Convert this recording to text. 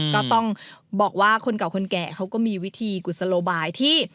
ก็ต้องบอกว่าคนเก่าคนแก่เขาก็มีวิธีกุศโลบายที่